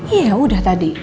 iya udah tadi